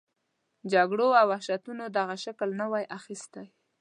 جګړو او وحشتونو دغه شکل نه وای اخیستی.